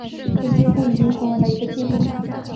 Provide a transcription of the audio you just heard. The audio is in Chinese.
这几乎已经成为了一个记录。